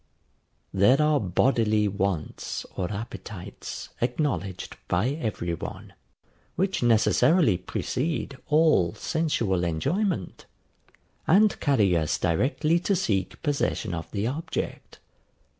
There are bodily wants or appetites acknowledged by every one, which necessarily precede all sensual enjoyment, and carry us directly to seek possession of the object.